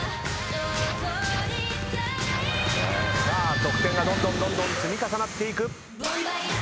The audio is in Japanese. さあ得点がどんどん積み重なっていく。